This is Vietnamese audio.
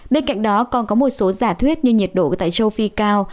bên cạnh đó còn có một số giả thuyết như nhiệt độ tại châu phi cao